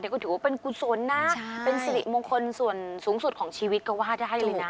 ก็ถือว่าเป็นกุศลนะเป็นสิริมงคลส่วนสูงสุดของชีวิตก็ว่าได้เลยนะ